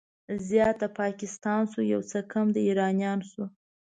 زيات د پاکستان شو، يو څه کم د ايرانيانو شو